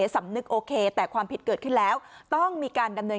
สำนึกโอเคแต่ความผิดเกิดขึ้นแล้วต้องมีการดำเนิน